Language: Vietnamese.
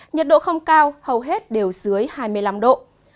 nhiệt độ không cao hầu hết đều dưới hai mươi năm độ